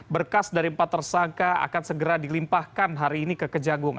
berkas dari empat tersangka akan segera dilimpahkan hari ini ke kejagung